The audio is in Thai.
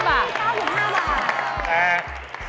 ๙๕บาท